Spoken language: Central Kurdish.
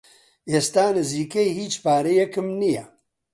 ئێستا نزیکەی هیچ پارەیەکم نییە.